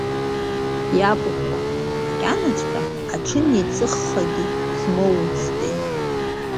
Иабыхәа макьанаҵәҟьа аҽынеиҵыххагьы смоуцтеи!